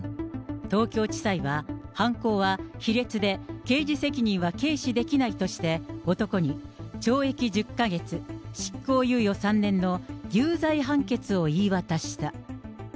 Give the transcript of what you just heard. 東京地裁は、犯行は卑劣で刑事責任は軽視できないとして、男に懲役１０か月、執行猶予３年の有罪判決を言い渡した。